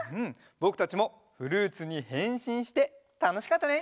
ぼくたちもフルーツにへんしんしてたのしかったね。